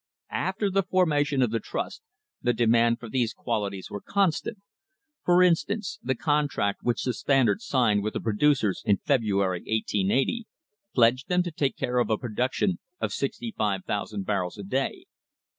After the formation of the trust the demand for these qualities was constant. For instance, the contract which the Standard signed with the producers in February, 1880, pledged them to take care of a production of 65,000 barrels a day.